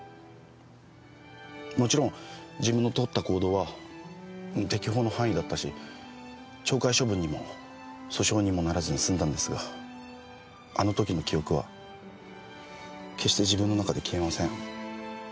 もちろん自分のとった行動は適法の範囲だったし懲戒処分にも訴訟にもならずに済んだんですがあの時の記憶は決して自分の中で消えません。